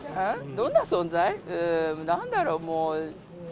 どんな存在？